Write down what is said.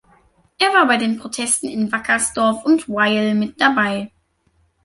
Er war bei den Protesten in Wackersdorf und Wyhl mit dabei.